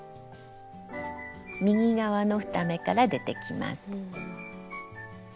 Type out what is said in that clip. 右側の２目から出てきます。